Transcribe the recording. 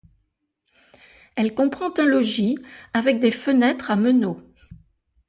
Elle comprend un logis, avec des fenêtres à meneaux.